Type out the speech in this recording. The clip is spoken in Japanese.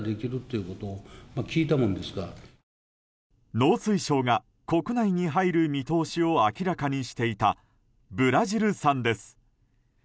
農水省が国内に入る見通しを明らかにしていたブラジル産です。